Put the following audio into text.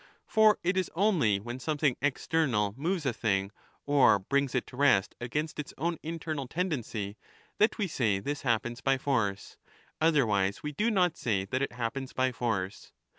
For it is only when something external moves a thing, or brings it to rest against its own internal tendency, that we say this happens by force ; otherwise we do not say that it happens by force.